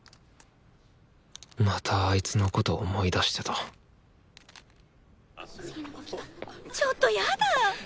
またあいつのこと思い出してたちょっとやだ！